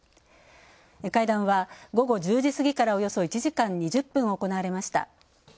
会談は、午後１０時過ぎから、およそ１時間２０分行われました。